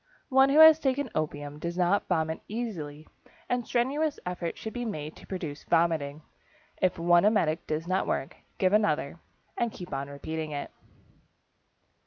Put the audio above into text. One who has taken opium does not vomit easily and strenuous efforts should be made to produce vomiting. If one emetic does not work, give another, and keep on repeating it.